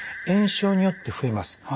炎症によって増えます。